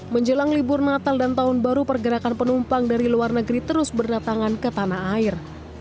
menjelang libur natal dan tahun baru pergerakan penumpang dari luar negeri terus berdatangan ke tanah air